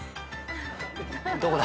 どこだ？